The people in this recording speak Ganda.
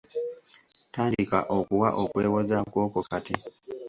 Tandika okuwa okwewozaako kwo kati.